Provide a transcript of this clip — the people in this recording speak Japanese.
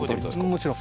もちろん。